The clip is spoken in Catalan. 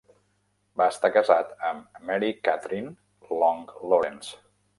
Va estar casat amb Mary Kathryn Long Lawrence.